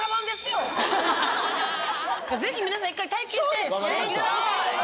ぜひ皆さん一回体験していただきたい。